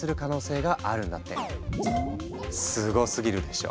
すごすぎるでしょ。